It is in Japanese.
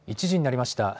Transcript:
１時になりました。